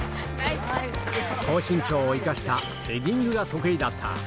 高身長を生かしたヘディングが得意だった。